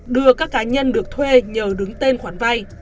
đưa các cá nhân được thuê nhờ đứng tên